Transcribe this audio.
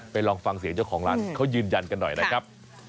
ลองฟังเสียงเจ้าของร้านเขายืนยันกันหน่อยนะครับ